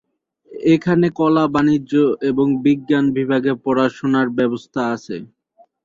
এখানে কলা, বাণিজ্য এবং বিজ্ঞান বিভাগের পড়াশোনার ব্যবস্থা আছে।